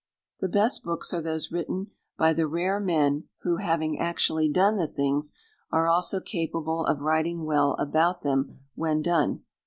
The best books are those written by the rare men who, having actually done the things, are also capable of writing well about them when done.